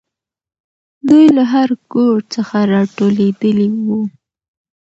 دوی له هر ګوټ څخه راټولېدلې وو.